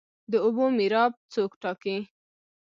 د اوبو میراب څوک ټاکي؟